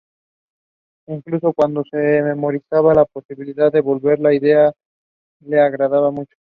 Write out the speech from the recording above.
Incluso cuando se mencionaba la posibilidad de volver la idea le agradaba mucho.